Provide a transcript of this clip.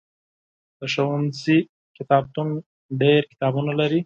د ښوونځي کتابتون ډېر کتابونه لري.